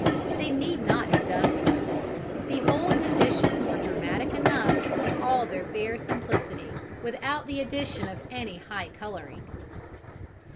They need not have done so: the whole conditions were dramatic enough in all their bare simplicity, without the addition of any high colouring.